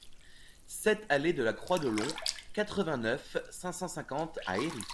sept allée de la Croix de Long, quatre-vingt-neuf, cinq cent cinquante à Héry